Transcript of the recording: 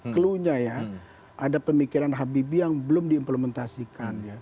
cluenya ya ada pemikiran habibie yang belum diimplementasikan